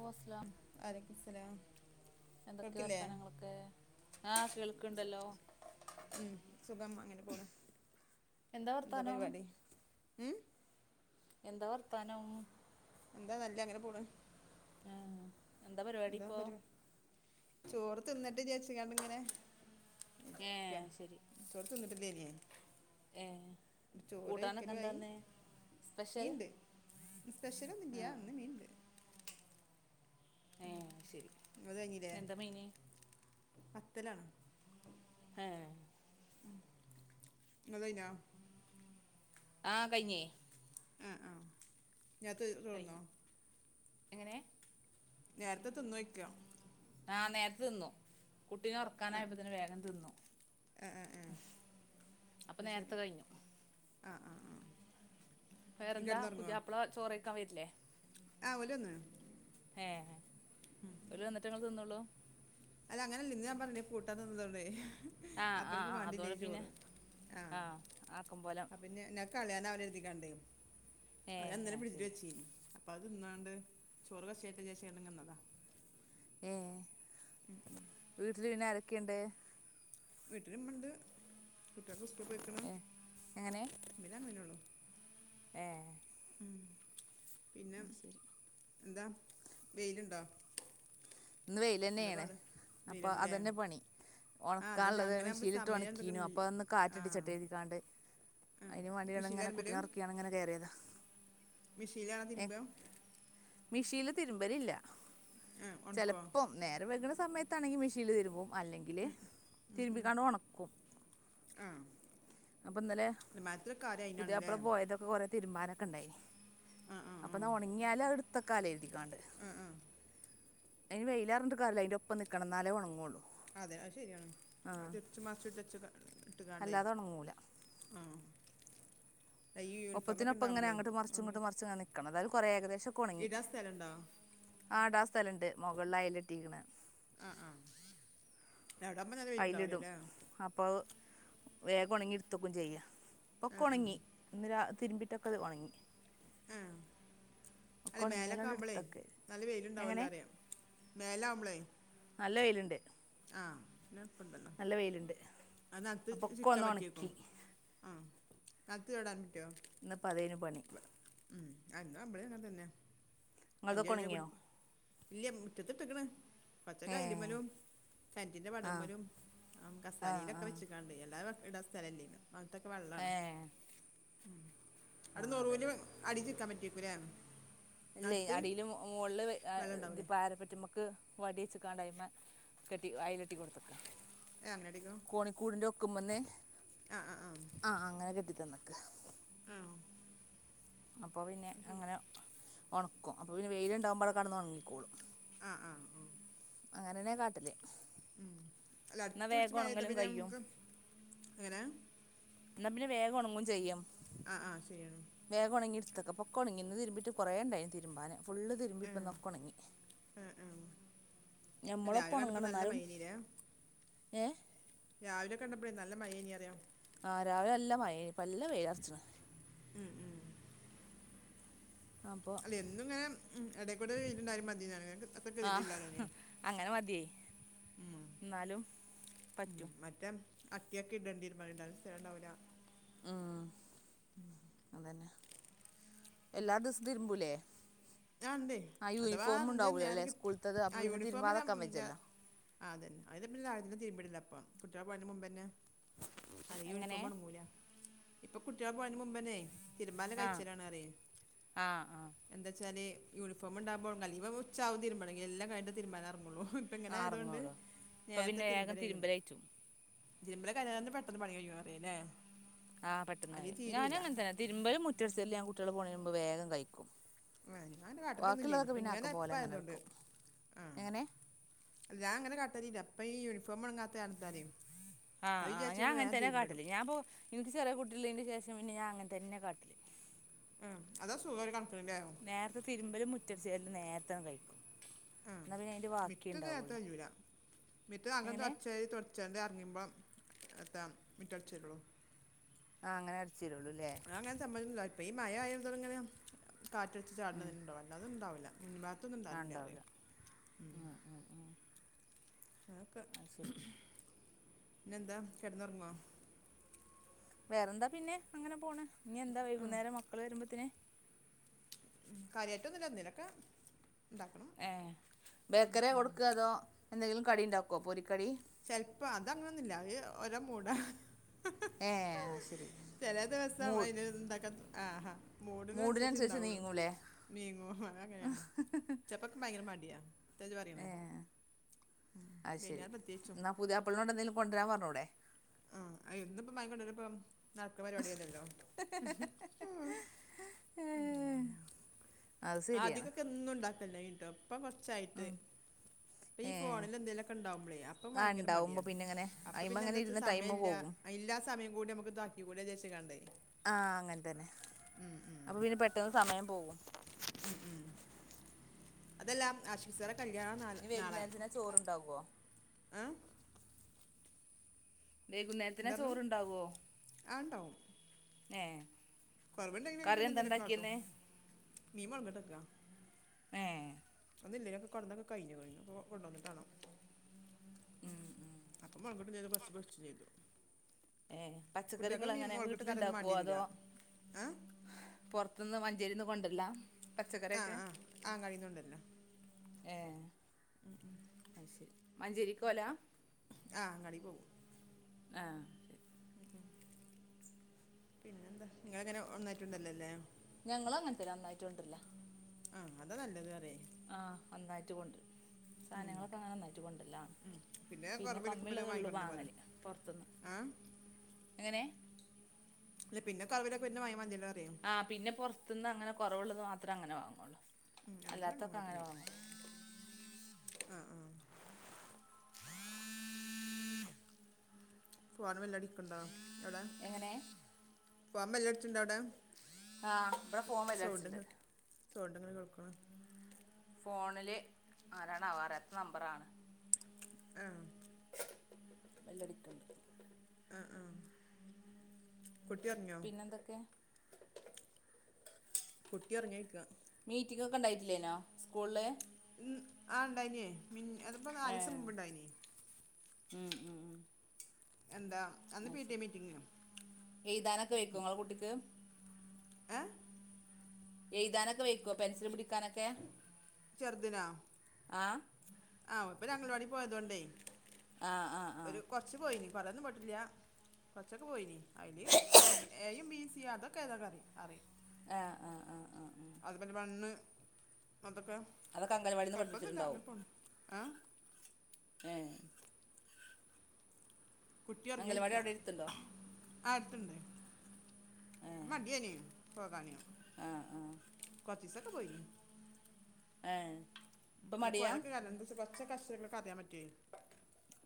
ഹോസ് വ അലയ്ക്കുമുസ്സലാം. എന്തൊക്കെയ വർത്തനങ്ങളൊക്കെ ആ കേൾക്കണ്ടല്ലോ. മം സുഖം അങ്ങനെ പോണ് എന്താ പരിപാടി ഉം എന്താ വർത്താനം? എന്താ നല്ലേ അങ്ങനെ പോണ്. ആഹ് എന്താ പരിപാടി ഇപ്പോ? ചോറ് തിന്നട്ടേ വിചാരിക്കണ്ടിങ്ങനെ. ഏ അയ് ശെരി [unintelligible] ചോറ് കൂട്ടാനൊക്കെ വെയ്ക്കലുആയി എന്താന്ന് സ്പെഷ്യൽ മീൻണ്ട്. സ്പെഷലൊന്നൂല്യ ആഹ് ഇന്ന് മീൻ ഇണ്ട്. ഏ ശെരി അത് കഴിഞ്ഞില്ലേ എന്താ മീന്? പത്തലാണ്. ഏഹ് ഇങ്ങള്തഴിഞ്ഞോ? ആ കയിഞ്ഞേയ്. ആ ആ ഞാൻ തീർ കെടുന്നേ കഴിഞ്ഞു എങ്ങനെ? നേരത്തെ തിന്നോയ്ക്ക? ആ നേരത്തെ തിന്നു കുട്ടിനെ ആ ഉറക്കാനായപ്പോതിന് വേഗം തിന്നു. ആ ആ ആ അപ്പൊ അത് ശരി നേരത്തെ കഴിഞ്ഞു. ആ ആ ആ നീ വേറെന്താ പുതിയാപ്പള ചോറെയ്ക്കാൻ വരില്ലേ ആഹ് ഓല്ലന്ന് ഹേ ഓരു വന്നേറ്റങ്ങൾ തിന്നള്ളൂ അല്ല അങ്ങനെല്ല ഇന്ന് ഞാൻ പറഞ് കൂട്ടൻ തിന്നതോണ്ട് ആഹ് അപ്പ ആഹ് ഇനിക്ക് ആഹ് അതുകൊണ്ട് വാണ്ടിയില്ലേയിനി പിന്നെ ചോറ് ആഹ് ആക്കം പോലെ ആ പിന്നെ കളാന്ന് ആകൂലാ കെരിതികാണ്ട് അത് ഏഹ് ഇന്നലെ ഫ്രഡ്ജിൽ ശരി വെച്ചിനി അപ്പൊ അത് ഇന്നാണ്ട് ചോറ വച്ചായിട്ട ചച്ച്യണ്ടെങ്കിൽന്നതാ ഏഹ് വീട്ടില് പിന്നെ ആരൊക്കെണ്ട് വീട്ടില് ഇമ്മണ്ട് കുട്ടികൾക്ക് സ്കൂ പോയിക്ക്ണ് ഏഹ് എങ്ങനെ പിന്നെ മഞ്ഞോള്ളു ഏഹ് പിന്നെ അത് ശരി എന്താ വെയിലുണ്ടോ ഇന്ന് വെയ്ൽ എന്താ തന്നെയാണ് പാട് അപ്പൊ വെയിലുണ്ടല്ലേ അതന്നെ പണി ആ അതന്നെ ഉണക്കാള്ളത് അങ്ങനെ ആകുമ്പോൾ മെഷീലിട്ട് സമയം ഉണക്കീനു അപ്പൊ എടുക്കണില്ല അന്ന് ആ കാറ്റടിച്ചിട്ട് എഴതിക്കാണ്ട് ആ അതിന് വേണ്ടിയാണ് ഇങ്ങനെ മിഷീലാരും കുട്ടിനൊറക്കിയാണ്ട് ഇങ്ങനെ കേറിയതാ മിഷീലാണ തിരുമ്പ മിഷീയില് തിരുമ്പല് ല്ല ആ ഉണക്കോ ചിലപ്പം നേരെ വെക്ണ സമയത്താണെങ്കി മെഷീനിൽ തിരുമ്പും അല്ലെങ്കില് ഉം, ഉം. തിരുമ്പിക്കാണ്ട് ഉണക്കും ആ അപ്പൊ ഇന്നലെ മരത്തിലൊക്കെ ആരും പുതിയ അതിനാണല്ലേ അപ്പ്ള പോയതൊക്കെ കുറെ തിരുമ്പ ആനൊക്കെ ഉണ്ടായിന് ആ അപ്പം ന്നാൽ ഉണങ്ങിയാൽ അടുത്ത കാലം എഴുതിക്കണ്ട ആഹ് ആഹ് അന് വെയിലാറിട്ട് കറല്ല അതിന്റെ ഒപ്പം നിൽക്കണം എന്നാലേ ഉണങ്ങുള്ളൂ അതെ അത് ശെരിയാണ് അത് തിര്ച്ചും മർച്ചട്ട്ക്കാ അല്ലാതൊണങ്ങൂല ദാ ഈ യൂണിഫോം ഒക്കെ ഒപ്പത്തിനൊപ്പം ഇങ്ങനെ ഉണ്ടാകുമ്പളേ അങ്ങോട്ട് മറച്ച് ഇങ്ങോട്ട് ഉണങ്ങിയിട്ട് മറച്ച്ങ്ങെ നിക്കണം അതായത് കുറേ ഏകദേശം ഒക്കെ ഉണങ്ങി ഇടാൻ സ്ഥലം ഉണ്ടാവും ആടാ സ്ഥലംണ്ട് മുകളിലായലട്ടീക്കണ് ആഹ് ആഹ് എവിടെ അമ്മ നല്ല പേരുണ്ടാവലോ അയിലിടും അല്ലേ അപ്പോൾ വേഗം ഉണങ്ങി ഇടുത്തക്കും ചെയ്യാ ആ ആ പൊക്കൊണങ്ങി ഒന്ന് തിരുമ്പിട്ടൊക്കെത് ഉണങ്ങി ആ ഒക്കെ അല്ല മേലൊക്കെ ഉണങ്ങിയാലാണ്ട് ആ്പളേ എടുത്തൊക്കെ നല്ല എങ്ങനെ പേരുണ്ടാവല്ലോ അറിയാം മേലാവുമ്പളേ നല്ല വെയിലുണ്ട് ആഹ് ണ്ടല്ലോ നല്ല വെയിലുണ്ട് അതിനകത്ത് അപ്പൊ ഒക്കെ ചിക്കാൻ ഒന്ന് പറ്റിയേക്കും ഉണക്കി ആഹ് കത്ത്ടാൻ ഇന്ന് പതേനു പണി അല്ല അമ്മളും അങ്ങെ തന്നെ അതിന്റെ നിങ്ങതൊക്കെ ഇടയിലെ കുടി ഉണങ്ങിയോ ഇല്ല മുറ്റത്തി ഇട്ട്ക്ക്ണ് പച്ച ഏ കായലമ്മലും സെന്റിന്റെ പടം ആഹ് പോലും ആഹ് കസാലിയിലൊക്കെ ആഹ് വെച്ചക്കാണ്ട് എല്ലാരും ഇട സ്ഥലംല്ലേും അങ്ങനത്തൊക്കെ വെള്ളാണ് ഏഹ് ഉ ആഹ് അവിടുന്നറൂൽ അതന്നെ അടിചൽ വക്കാൻ പറ്റി [unintelligible] അല്ലേ അടിയില് മുകളില് വെള്ളം ഇതിപ്പരെ ഉണ്ടാവൂലേ പാരപറ്റ്മക്ക് വടിച്ച് കാണ്ടായ്മ കട്ടി വയലട്ടി കൊടുത്തക്ക എനടിക്കോ കുമ്പ്ന്നെ ആഹ് അങ്ങനെ കെട്ടിട്ടന്നക്ക് ആഹ് അപ്പോൾ പിന്നെ അങ്ങനെ ഉണക്കും അപ്പോൾ പിന്നെ വെയിലുണ്ടാവകുമ്പോഴ കടന്നന്ന് ഉണങ്ങിക്കോളും ആഹ് ആഹ് ആഹ് അങ്ങനെന്നെ കാട്ടല് ഉം അല്ല എന്നാ അിച്ചുപിടിച്ചു വേഗം മഴന്താ ഒണങ്ങലും പിന്നെ കയ്യും നമുക്ക് എങ്ങനെ എന്നാ പിന്നെ വേഗം ഉണങ്ങും ചെയ്യാം ആ ആ ശരിയാണ് വേഗം ഉണങ്ങി എടുത്തക്കെ പൊ ഉണങ്ങ കുറേ ഉണ്ടും തിരുമ്പാന് ഫുള്ള് തിരുമ്പി ആ ഇപ്പ ഉണങ്ങി ആ ആ ഞമ്മള രാവിലെ പണങ്ങണ കണ്ടപ്പോൾ നല്ല എന്നാലും മഴ ഇനിയില്ലേ ഏ രാവിലെ കണ്ടപ്പോഴേ നല്ല മഴ ഇനി അറിയോ ആഹ് രാവിലെ എല്ലാം മയനി ഇപ്പ നല്ല വെയിലടച്ചണ് ഉം ഉം അപ്പൊ അല്ല എന്തും ഇങ്ങനെ ഉം ഇടക്കൂടെതിട്ടുണ്ടാലും മതിണ് ക്ക് അത്ര കയിട്ടല്ലെയ ന്നാലും പറ്റും മറ്റേ അട്ടിയൊക്കെ ഇടേണ്ട തീരുമാനണ്ടും സ്ഥണ്ടാവില്ല ഉം അതന്നെ എല്ലാ ദിവസ തിരുമ്പൂലെ ആ ഉണ്ടേ ആ അഥവാ യൂണിഫോമ എന്ത് നേരെ ഉണ്ടാവലല്ലേ കിട്ടി സ്കൂളത്തത് അപ്പ ആ പിന്നെ യൂണിഫോം തിരുമ്പതക്കാൻ ആ വജല്ലോ അതന്നെ അതി തീരുമ്പടില്ല അപ്പൊ കുട്ടികള പോയതിന് മുമ്പ്ന്നെ അത് എങ്ങനെ യൂണിഫോം ഉണങ്ങൂല ഇപ്പൊ കുട്ടികളെ പോയന് മുമ്പന്നെ തിരുമാാല ആ കഴിച്ചലാണ് അറിയ ആ ആ എന്താ എന്നേ യൂണഫോം ഉണ്ടുമോല്ല ഇവ ഉച്ചവുംതിരുണെങ്ക എല്ലാം കഴിഞ്ഞ തരുനൻറങ്ങുള്ളൂ ഇപ്പ ഇങ്ങനെ ആ ആയതൊണ്ട് ഇറങ്ങുള്ളൂ ഇപ്പൊ നേർത്ത പിന്നെ വേഗം തിരുമ്പരയും തിരുമ്പലയറ്റും ഇിമ്മല കൽന്നന്ന് പെട്ടെന്ന് പണി കഴിക്കാ അറല്ലേ ആഹ പെട്ടന്നായി ഞാനങ്ങന തന്നെതിരുമ്പലും മുറ്റരച്ചല്ല ഞാ കുട്ടികള് പോരുമ്പോ വേഗം കഴിക്കും ആ ഞാൻന്റെ കാാട്ടിലൊന്നുംല്ല ബാക്കിയുള്ളതൊക്കെ ഇപ്പ പിന്നെ ഇങ്ങനെ ആക്കം എപ്പ പോലെ അങ്ങനെ ആയതൊണ്ട് എടുക്കും ആഹ എങ്ങനെ ല്ലാ അങ്ങനെ കട്ടല്ല ഇല്ല അപ്പ ഈ യൂണിഫോം ഉണങ്ങാത്തത്താ ആഹ് ആഹ ഞാൻ അങ്ങന തന്നെ കട്ടല്ല ഞാൻപ്പപ്പോ എനിക്ക് ചെറിയ കുട്ട ശേഷം പിന്നെ ഞാൻ അങ്ങന തെന്നെ കാാട്ടില് ആ അതാ സുഖം ഒരു കണക്കിനല്ലേ നേരത്തെ തിരുമ്പലും മുറ്റടിച്ചരിലും നേരത്തെന്ന കഴിക്കും ആഹ എന്നാ പിന്നെ അതിന്റെ ബാക്കി മുറ്റം തരാത്ത ഉണ്ടാവുള്ളു ചൂരാ മറ്റ് താങ്കം എങ്ങനെ തുടച്ച തുടച്ചന്റെ ഇറങ്ങിയുമ്പം എത്ര മുറ്റം ടച്ചേരുള്ളു ആഹ അങ്ങനെ അടിച്ചേരുള്ളൂ ല്ലേ അ അങ്ങനെ സംമ്മവ ഇപ്പ ഈ മഴ ആയാല തോർ ഇങ്ങനെ കാറ്റടിച്ച ഉം ചാടണ്ട അല്ല അും ഉണ്ടാവും മ ആഹ് ഭാത്തൊന്നുംണ്ടില്ലറേ ഉണ്ടാവൂല ഉ ആക്കെ അത് ശരി പിന്നെന്താ കിടന്നുറങ്ങ വേറെന്താ പിന്നെ അങ്ങനെ പോണ് ഇനി എന്താ വൈകുന്നേരം മക്കൾ വരുമ്പോത്തനെ ഉ കാര്യട്ട ഒന്നുമല്ല ന്തലുമൊക്കെ ഏ ബേക്കറെ കൊടുക്കുക അതോ എന്തെങ്കിലും കടി ഉണ്ടാക്കുമോ പൊരിക്കടി ചെിലപ്പോ അത അങ്ങനൊന്നുമില്ല ഒ മൂട ഹഹ ഏഹ് അത് ശരി ചില ദിവസ മൂ അന്ന്താക്ക ആഹാ മൂഡ് നനുസരിച്ച മൂഡിനനുസരിച്ച് ഇണ്ടാവുള്ളു നീങ്ങൂലേ നീങ്ങോ അങ്ങനെയാണ് ചപ്പൊക്കെ ഭയങ്കര മടിയാ പറയാണ് ഏഹ് അത് ശരി വഞൻ എന്നാ പുതിയ അപ്പിളിനോണ്ട് എന്തേങ്കും കൊണ്ടുവരാൻ പറഞ്ഞോൂടെ ആഹ അ ഒന്ന ഇപ്പ മയക്കൊണ്ടുവര ഇപ്പ നക്ക് പരിപാടി അല്ലല്ലോ ഏ അത് ശരിയാണ് ആദ്യംൊക്കെ ഒന്നും ഉണ്ടാക്കല്ല കീട്ടും ഇപ്പ കൊറച്ചായിട്ട് അപ്പ ഈ ഏ ഫോണിൽ എന്തേലൊക്കെ ഉണ്ടാവുമ്പളേ അപ്പൊ ആ ഭയങ്കര ഉണ്ടാവുമ്പോ മടിയാണ് പിന്നെ ഇങ്ങനെ അപ്പൊ അയിമ പിന്നെ അങ്ങനെ എന്താച്ചാ ഇരുന്ന് സമയമ ടൈമ് ഇല്ല പോകും ഇല്ലാ സമയം കൂടി നമുക്ക് തക്കി കൂടെ ചേച്ചിക്കണ്ടേ ആഹ അങ്ങനെ തന്നെ അപ്പൊ പിന്നെ പെട്ടെന്ന് സമയം പോകും. ഉം ഉം അതെല്ലാം ആശ്വസറ കല്യാണം ന ഇനി നാളെ വൈകുന്നേരത്തിനാ ചോറുണ്ടാകുവോ ഏ വൈകുന്നേരത്തിന എന്തായിരുന്നു ചോറണ്ടാവോ ഏ കൊറവണ്ടെങ്കന കറി എന്താ പിന്നെന്തിനൊക്കെകാട്ടും ഉണ്ടാക്കിയന്ന് നീ വളങ്ങിട്ടക്കാ മഏ അന്നില്ലേ ഞക്ക് കൊണ്ടുവന്ന ഓകഴിഞ്ഞു കഴിഞ്ഞു അപ്പ കൊവിണ്ട വന്നിട്ട് വേണം ഉം ഉം അപ്പൊ മങ്ങോട്ടും ചെയ്തു പച്ച് പ ചെയ്തു ഏഹ പച്ചക്കറികൾ കുട്ടികൾക്ക് മീൻ അങ്ങനെ മുളകിട്ട് കറിയൊന്നും വീട്ടിലുണ്ടാക്കുവോ വേണ്ടി വരില്ല അതോ ആ പുറത്തന്ന്..... ഞ്ചേരിന്ന് കൊണ്ടര്ല്ല ആ പച്ചക്കറിക്കെ ആ ആങ്ങാടിയിൽ നിന്നുണ്ടല്ലോ ഏ അശരി മഞ്ചേരിക്കോല ആ ആങ്ങാടി പോകും ആ..... പിന്നെന്താ നിങ്ങളങ്ങനെ ഒന്നായിട്ടുണ്ടല്ലോല്ലേ...... ഞങ്ങള് അങ്ങനത്തെ നന്നായിട്ടുണ്ടല്ല. ആഹ് അത നല്ലത് റയെ ആ നന്നായിട്ട് കൊണ്ട്രും സാധനങ്ങളൊക്കെ ഒന്നായിട്ട് കൊണ്ടര്ല്ലണ്. പിന്നെ കുറവിലൊക്കെ കമ്മില്ലത് ഒള്ളൂ വാങ്ങിക്കൊടുന്ന പോലെ വാങ്ങല് പൊറത്തുന്ന് ആ എങ്ങനെ. ല്ല പിന്നെക്കവര് പിന്നെ വാങ്ങി മതില്ലോ ആ പിന്നെ പൊർത്തുനിന്ന് അങ്ങനെ കൊറവുള്ളത് മാത്രേ അങ്ങനെ വാങ്ങോള്ളൂ അതല്ല അല്ലാത്തൊക്കെ അങ്ങനെ കാട്ടണം വാങ്ങും. ആ ആഹ് ഫോൺ വെല്ലടിക്ക്ണ്ടോ എവിടെ എങ്ങനെ ഫോൻ ബെല്ലട്ച്ച്ണ്ടോ അവിടെ ആഹ് ഇവിടെ ഫോൺ ബെല്ലടിച്ചിണ്ട് സൗണ്ട്ങ്ങ് സൗണ്ട്ങ്ങനെ കേൾക്ക്ണ് ഫോണിൽ ആരാണവോ അറിയാത്ത നമ്പറാ ആഹ് ബെല്ലടിക്ക്ണ്ട് ആ ആ പിന്നെന്തൊക്കെ. കുട്ടി ഉറങ്ങിയോയ്ക്ക മീറ്റിംഗ് ഒക്കെ ഉണ്ടായിട്ടില്ലേനോ സ്കൂളില്. ആ ഇണ്ടായിനേ മി അതിപ്പോ നാലിസ ഏഹ് മുമ്പേ ഇണ്ടായിനെ ഉം ഉം ഉം എന്താ അന്ന് ആ പി ടി എ ശരി മീറ്റിങ്ങിന് എഴുതാനൊക്കെ വയ്ക്കോ ങ്ങളെ കുട്ടിക്ക് അ എഴുതാനൊക്കെ വയ്ക്കോ പെൻസിൽ പിടിക്കാനൊക്കെ. ചെറുതിനോ ആഹ് ആ ഇപ്പൊ ഞങ്ങളവാടി പോയതോണ്ടേ ആഹ് ആഹ് ആഹ് ഒരു കൊർച്ച് പോയിനീ പറയൊന്നും പൊട്ടില്ല. കൊറച്ചൊക്കെ പോയിനി അതില് എ ബിയും സിതൊക്കെ ഏതൊക്കെ അ അറ ആ ആ ആ ആ അത് പ വന്ന് അതൊക്കെ അതൊക്കെ അംഗലവാടിന്ന് കൊഴപ്പൊന്നുല്ല പഠിപ്പിച്ചിട്ടുണ്ടാവും അങ്ങനെ പോണ് ഏ കുട്ടി അംഗലവാടി ഒറങ്ങിയോക്കെ അവിടെ എടുത്തുണ്ടോ ആടുത്തുണ്ട് ഏഹ് മതിയന് പോകാന് ആഹ് ആഹ് സകെ പോയിനി ഏഹ് ഇപ്പം അല്ല മടിയാ പോയക്കെ [unintelligible] കഷികൊക്കെ അറിയാൻ പറ്റ്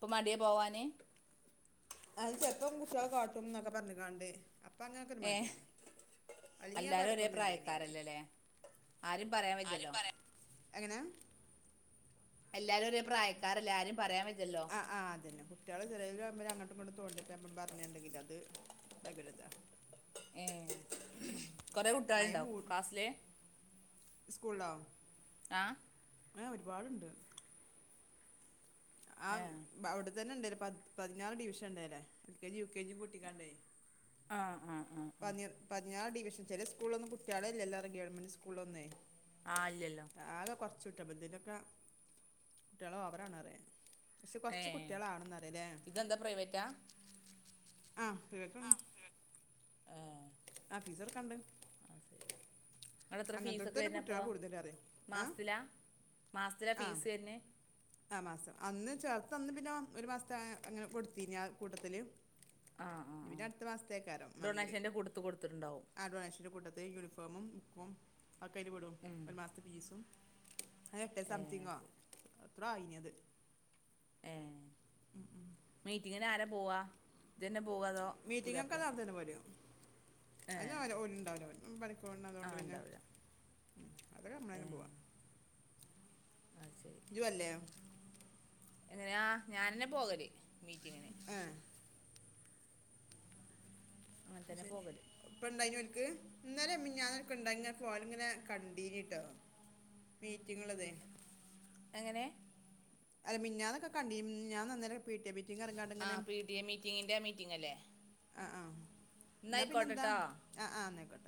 പ്പൊ മാടിയാ പോകാന് അത് ചെൽപ്പം കുട്ടിയാളെ കാട്ടും ന്നൊക്കെ പറഞ്ഞ് കിണ്ട് അപ്പൊ അങ്ങനൊക്കെ ഒരു ഏഹ് മടിയാണ്. അല്ലങ്കി എല്ലാരും ഒരേ കൊഴപ്പൊന്നുല്ലനി അറെ പ്രായക്കാരല്ലല്ലേ ആരും പറയാൻ ആരു വജ്ജല്ലോ പറെ അങ്ങനെ എല്ലാരും ഒരേ പ്രായക്കാരല്ലേ ആ രിം പറയാൻ വജല്ലോ. വർ അങ്ങോട്ടുങ്ങട്ടും കൊ തോണ്ടിപ്പ പറഞ്ഞുണ്ടെങ്കിൽ അത് പകരുതാ. ഏഹ് ഉം കൊറേ മയ കുട്ടികളുണ്ടോ മൂ ക്ലാസ്സില് സ്കൂള്ലോ ആ അങ്ങനെ ഒരുപാടുണ്ട്. ആഹ് ഏഹ് ബ അവിടെത്തന്നെ ഇണ്ട് പ പതിനാറ് ഡിവിഷൻ ഉണ്ടല്ലേ L K G U K G കൂട്ടിക്കാണ്ടെ. ആഹ് ആഹ് ആഹ് ആഹ് പതിന പതിനാറ് ഡി ചില സ്കൂള്ലൊന്നും കുട്ടിയാളെല്ലല്ലോ ഗവൺമെന്റ് സ്കൂളൊന്നേ. ആഹ് ഇല്ലല്ലോ. [unintelligible] തിലക്കെ കുട്ടിയള് ഓവറാണ്റിയാ ഏ ഇതെന്താ പ്രൈവറ്റാ? ആ പ്രൈവറ്റാണ് ഏഹ് ആ ഫിസ് കൊട്ക്കാണ്ട് അത് ശരി എത്ര ഫീസൊക്കെ വരുന്നപ്പോ ആഹ് മാസത്തിലാ മാസത്തിലാ ആഹ് ഫീസ് വര്ണെ ആ മാസം അന്ന് ചേർത്തന്ന് പിന്നെ ഒരു മാസത്തെ അങ്ങനെ കൊടുത്തീനി ആ കൂട്ടത്തിൽ. ആ ആ [unintelligible] ആ പിന്നെ അട്ത്ത മാസത്തേകാരം മാണെങ്കില് ഡൊണേഷൻ്റെ കൊടുത്ത് കൊടുത്തിട്ടുണ്ടാവും ആ ഡോ ളേഷന്റ കൂട്ടത്തില് യുണി യൂണിഫോമും ബുക്കും അഒക്കെ അയില് പെടും ഒരു മാസത്തെ ഫീസും. അഹ് എട്ടെ ഏ സംതിങ്ങോ ശരി എത്രോ ആയിനി അത്. മീറ്റിങ്ങ്ന് ആരാ പോവാ? ഇജന്നെ പോവാ അതോ പുതിയാപ്പളെ? അയിന് ഓല് ഓല്ണ്ടാവൂല ഓലെന്നും ആ പണിക്ക്പോണതോണ്ട് പിന്നെ ഉണ്ടാവില്ല അപ്പം ഏ ഞ്ഞമ്മള്ളനെ പോവാ. അത് ശരി ഇജ്ജ് പോവ [unintelligible] ല്ലേ. എങ്ങനെയാ ഞാനന്നെ പോകല് മീറ്റിങ്ങിന്. ആ അങ്ങനെ [unintelligible] തന്നെ ശെരി പോകല് ഇപ്പണ്ടായിനോൽക്ക് ഇന്നലെ മിനിഞ്ഞാന്നക്കെണ്ടായി ഇങ്ങനെ ഫോണില്ങ്ങനെ കണ്ടീനിട്ടോ. മീറ്റിങ്ങ്ള്ളതെ എങ്ങനെ? അല്ല മിഞ്ഞാന്നൊക്കെ കണ്ടിനി മിഞ്ഞാന്നോന്നലേ പി ടി എ മീറ്റിംഗ് ഇറങ്ങാണ്ട് ഇങ്ങനെ ആഹ പി ടി എ മീറ്റിങ്ങിന്റെ മീറ്റിംഗ് അല്ലേ? ഇന്നാ പിന്നെന്താ എന്നായിക്കോട്ടെട്ടോ അ ആ ഇന്നയ്കോട്ടെ.